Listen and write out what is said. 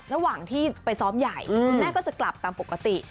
ระหว่างที่ไปซ้อมใหญ่คุณแม่ก็จะกลับตามปกติ